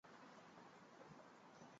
科隆比埃。